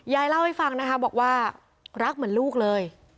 ยายเล่าให้ฟังนะคะบอกว่ารักเหมือนลูกเลย